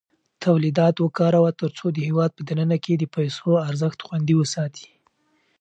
تولیدات وکاروه ترڅو د هېواد په دننه کې د پیسو ارزښت خوندي وساتې.